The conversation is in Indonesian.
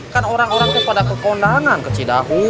kan orang orangnya pada kekondangan kecidahu